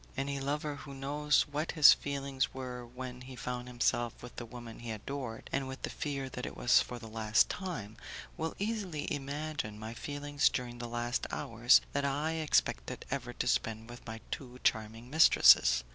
Any lover who knows what his feelings were when he found himself with the woman he adored and with the fear that it was for the last time, will easily imagine my feelings during the last hours that I expected ever to spend with my two charming mistresses.